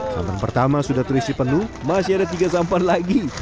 sampan pertama sudah terisi penuh masih ada tiga sampan lagi